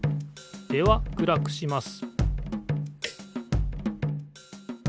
では暗くします